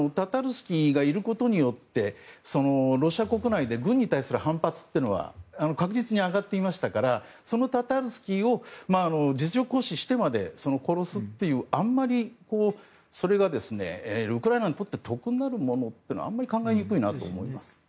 スキーがいることによってロシア国内で軍に対する反発というのは確実に上がっていましたからそのタタルスキーを実力行使してまで殺すというのは、あまりそれがウクライナにとって得になるものとはあまり考えにくいかなと思います。